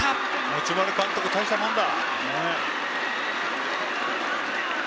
持丸監督たいしたものだ。